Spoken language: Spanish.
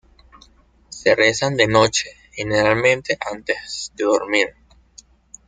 Se rezan de noche, generalmente antes de dormir.